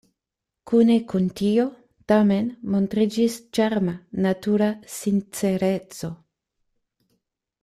Kune kun tio, tamen, montriĝis ĉarma, natura sincereco.